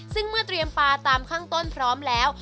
ซึ่งเมื่อเตรียมปลาตามข้างต้นพร้อมแล้ว